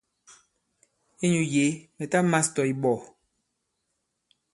Inyū yě mɛ̀ ta mās tɔ̀ ìɓɔ̀.